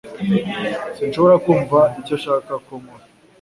Sinshobora kumva icyo ashaka ko nkora